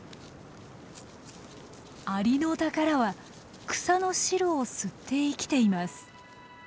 アリノタカラは草の汁を吸って生きています。